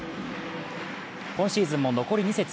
今シーズンも残り２節。